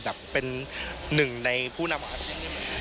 แบบเป็นหนึ่งในผู้นำของอาเซียน